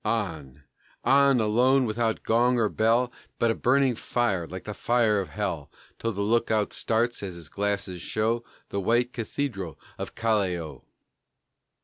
On! On! Alone without gong or bell, But a burning fire, like the fire of hell, Till the lookout starts as his glasses show The white cathedral of Callao.